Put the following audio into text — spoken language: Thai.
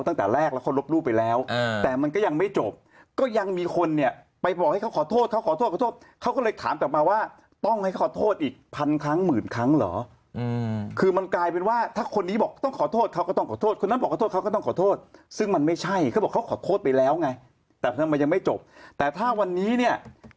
แต่ถ้าคิดว่ามันเป็นการไปลุ่งละเมิดแคทธินาเกย์ตั้งที่เขาบอกว่าเขาไม่เป็นคนทำภาพนี้